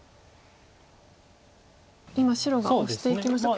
今白がオシていきました。